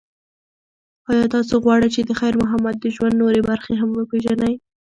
ایا تاسو غواړئ چې د خیر محمد د ژوند نورې برخې هم وپیژنئ؟